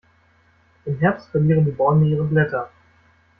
Im Herbst verlieren die Bäume ihre Blätter.